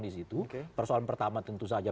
di situ persoalan pertama tentu saja